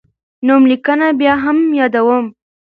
نوملیکنه بیا هم یادوم.